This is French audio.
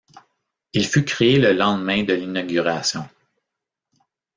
Il fut créé le lendemain de l'inauguration.